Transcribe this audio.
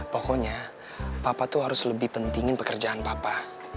pokoknya papa tuh harus lebih pentingin pekerjaan papa